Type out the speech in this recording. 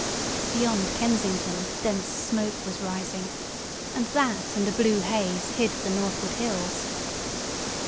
Beyond Kensington dense smoke was rising, and that and a blue haze hid the northward hills.